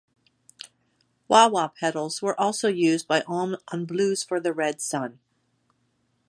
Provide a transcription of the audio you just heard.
Wah-wah pedals were also used by Homme on Blues for the Red Sun.